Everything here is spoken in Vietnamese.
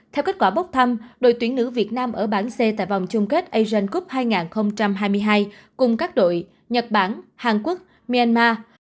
theo kết quả bốc thăm đội tuyển nữ việt nam ở bảng c tại vòng chung kết asian cup hai nghìn hai mươi hai cùng các đội nhật bản hàn quốc myanmar